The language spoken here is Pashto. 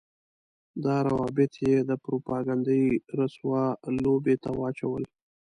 دا روابط يې د پروپاګنډۍ رسوا لوبې ته واچول.